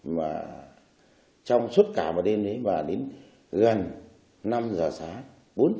mà trong suốt cả một đêm đấy và đến gần năm giờ sáng